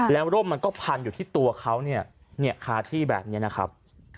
แล้วร่มมันก็พันอยู่ที่ตัวเขาเนี่ยคาที่แบบนี้นะครับ